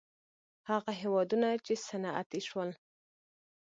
هغه هېوادونه چې صنعتي شول.